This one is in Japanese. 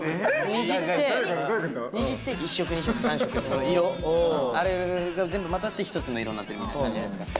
虹って、１色、２色、３色、色、あれが全部混ざって１つの色になってる感じじゃないですか。